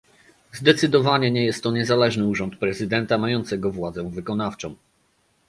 Zdecydowanie nie jest to niezależny urząd prezydenta mającego władzę wykonawczą